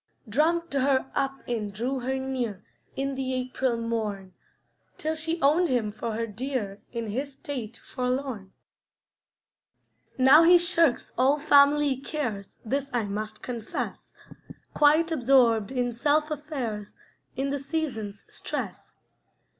Drummed her up and drew her near, In the April morn, Till she owned him for her dear In his state forlorn. Now he shirks all family cares, This I must confess; Quite absorbed in self affairs In the season's stress.